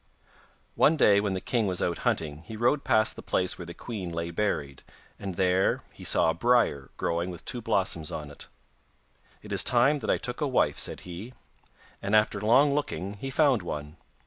One day when the king was out hunting he rode past the place where the queen lay buried, and there he saw a briar growing with two blossoms on it. 'It is time that I took a wife,' said he, and after long looking he found one.